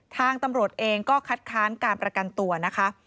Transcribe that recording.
ทางตำรวจเองก็คัดค้านการประกันตัวนะคะ